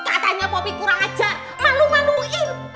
katanya popi kurang ajar malu maluin